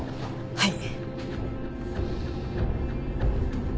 はい。